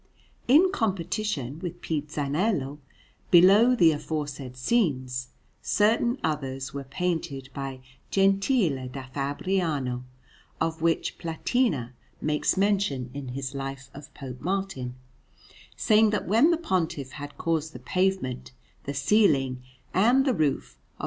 In competition with Pisanello, below the aforesaid scenes, certain others were painted by Gentile da Fabriano; of which Platina makes mention in his Life of Pope Martin, saying that when that Pontiff had caused the pavement, the ceiling, and the roof of S.